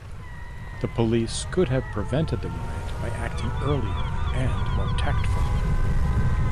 The police could have prevented the riot by acting earlier and more tactfully.